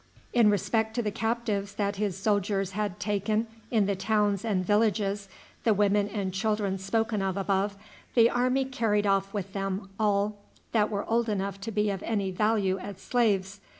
In respect to the captives that his soldiers had taken in the towns and villages the women and children spoken of above the army carried off with them all that were old enough to be of any value as slaves.